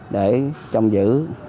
để trông giữ